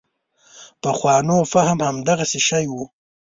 پخوانو فهم همدغه شی و.